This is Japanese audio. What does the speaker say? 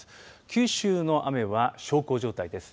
九州の雨は小康状態です。